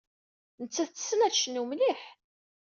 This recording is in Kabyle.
Nettat tessen ad tecnu mliḥ.